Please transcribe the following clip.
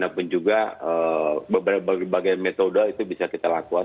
namun juga berbagai bagai metode itu bisa kita lakukan